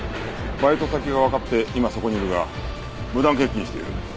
バイト先がわかって今そこにいるが無断欠勤している。